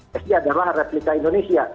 pssi adalah replika indonesia